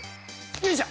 よいしょ。